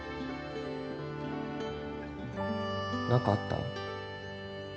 何かあった？